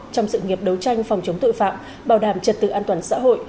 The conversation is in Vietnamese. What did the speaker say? trong sự nghiệp đấu tranh phòng chống tội phạm bảo đảm trật tự an toàn xã hội